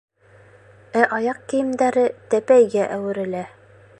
Ә аяҡ кейемдәре тәпәйгә әүерелә.